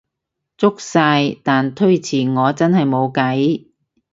足晒，但推遲我真係無計